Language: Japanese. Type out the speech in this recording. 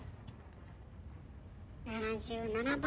７７番。